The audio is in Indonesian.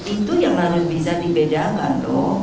itu yang harus bisa dibedakan dong